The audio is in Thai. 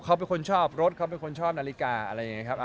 เขาเป็นคนชอบรถเขาเป็นคนชอบนาฬิกาอะไรอย่างนี้ครับ